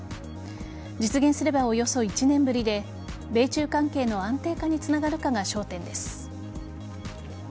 実現すれば、およそ１年ぶりで米中関係の安定化につながるかが焦点です。